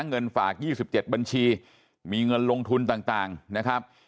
เงินฝากยี่สิบเจ็ดบัญชีมีเงินลงทุนต่างต่างนะครับ